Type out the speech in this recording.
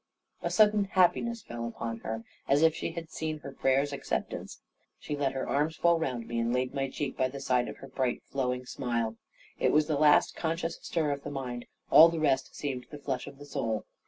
A sudden happiness fell upon her, as if she had seen her prayer's acceptance. She let her arms fall round me, and laid my cheek by the side of her bright flowing smile. It was the last conscious stir of the mind; all the rest seemed the flush of the soul.